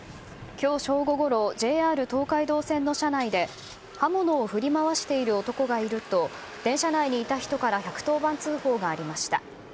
今日正午ごろＪＲ東海道線の車内で刃物を振り回している男がいると電車内にいた人から１１０番通報がありました。